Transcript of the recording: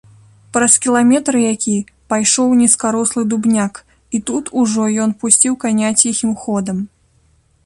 Праз кіламетр які пайшоў нізкарослы дубняк, і тут ужо ён пусціў каня ціхім ходам.